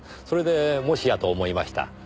それでもしやと思いました。